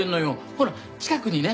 ほら近くにね